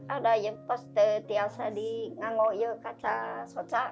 ada yang pas tetiasa di ngangok kaca sotak